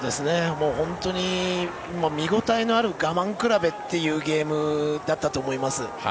本当に見応えのある我慢比べというゲームだったと思います。